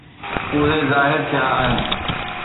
اهي ظاهر ٿيا آهن.